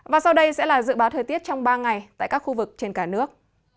và sau đây sẽ là dự báo thời tiết trong ba ngày tại các khu vực trên cả nước